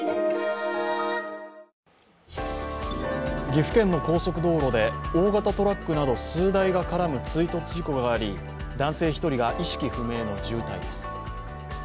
岐阜県の高速道路で大型トラックなど数台が絡む追突事故があり、男性１人が意識不明の重体です。